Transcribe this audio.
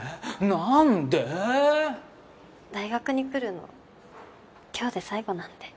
大学に来るの今日で最後なんで。